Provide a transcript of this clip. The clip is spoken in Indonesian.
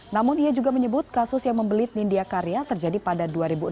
namun ia juga menyebut kasus yang membelit nindya karya terjadi pada dua ribu enam